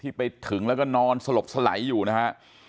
ที่ไปถึงแล้วก็นอนสลบสายอยู่นะครับ